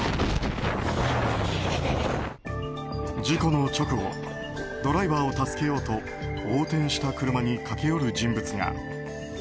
事故の直後ドライバーを助けようと横転した車に駆け寄る人物が。